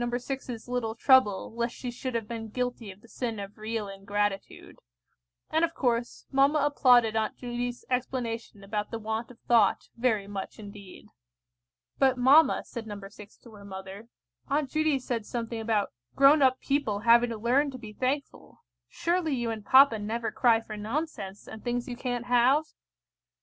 6's little trouble lest she should have been guilty of the sin of real ingratitude; and, of course, mamma applauded Aunt Judy's explanation about the want of thought, very much indeed. "But, mamma," said No. 6 to her mother, "Aunt Judy said something about grown up people having to learn to be thankful. Surely you and papa never cry for nonsense, and things you can't have?"